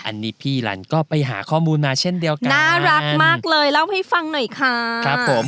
อันนี้พี่ลันก็ไปหาข้อมูลมาเช่นเดียวกันน่ารักมากเลยเล่าให้ฟังหน่อยค่ะครับผม